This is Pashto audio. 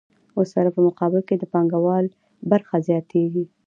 ورسره په مقابل کې د پانګوال برخه زیاتېږي